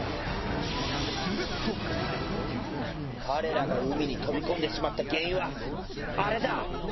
彼らが海に飛び込んでしまった原因はあれだ！